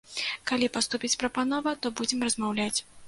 Калі паступіць прапанова, то будзем размаўляць.